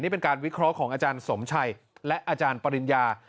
เป็นการวิเคราะห์ของอาจารย์สมชัยและอาจารย์ปริญญา